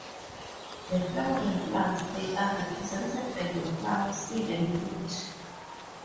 In flowering plants, they are represented by the flower, seed and fruit.